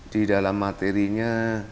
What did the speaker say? di dalam materinya